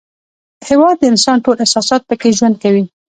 هېواد د انسان ټول احساسات پکې ژوند کوي.